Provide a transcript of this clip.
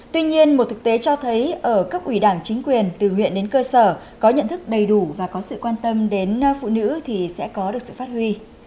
tuy nhiên một thực tế cho thấy ở cấp ủy đảng chính quyền từ huyện đến cơ sở có nhận thức đầy đủ và có sự quan tâm đến phụ nữ thì sẽ có được sự phát huy